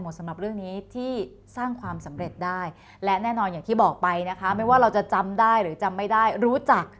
สำหรับเรื่องนี้ที่สร้างความสำเร็จได้และแน่นอนอย่างที่บอกไปนะคะไม่ว่าเราจะจำได้หรือจำไม่ได้รู้จัก